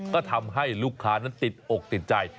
ก็ทำให้ลูกค้านั้นติดอกติดใจ